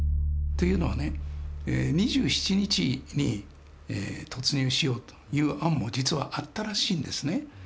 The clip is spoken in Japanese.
というのはね２７日に突入しようという案も実はあったらしいんですね。